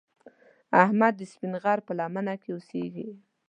احمد د سپین غر په لمنه کې اوسږي.